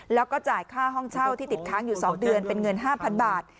แล้วก็จ่ายค่าห้องเช่าที่ติดค้างอยู่๒เดือนเป็นเงิน๕๐๐บาท